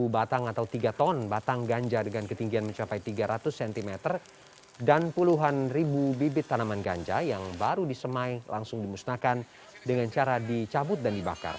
dua puluh batang atau tiga ton batang ganja dengan ketinggian mencapai tiga ratus cm dan puluhan ribu bibit tanaman ganja yang baru disemai langsung dimusnahkan dengan cara dicabut dan dibakar